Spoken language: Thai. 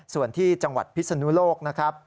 ส่วนที่จังหวัดพิศนุโลกนะครับ